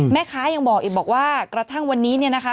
แม่ค้ายังบอกอีกบอกว่ากระทั่งวันนี้เนี่ยนะคะ